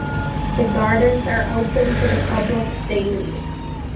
The gardens are open to the public daily.